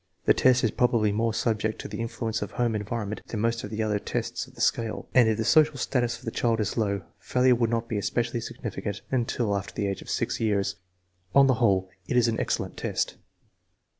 The test is probably more subject to the influence of home environment than most of the other tests of the scale, and if the social status of the child is low, failure would not be especially significant until after the age of 6 years. On the whole it is an excellent test.